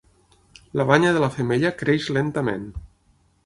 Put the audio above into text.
La banya de la femella creix lentament.